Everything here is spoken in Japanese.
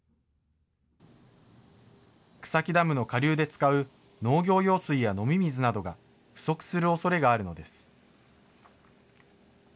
草木ダムの下流で使う農業用水や飲み水などが不足するおそれがあるのです。